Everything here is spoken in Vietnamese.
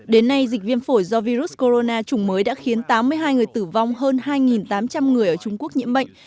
đến nay dịch viêm phổi do virus corona chủng mới đã khiến tám mươi hai người tử vong hơn hai tám trăm linh người ở trung quốc nhiễm bệnh